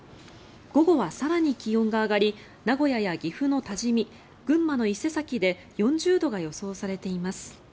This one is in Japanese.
午後は更に気温が上がり名古屋や岐阜の多治見群馬の伊勢崎で４０度が予想されています。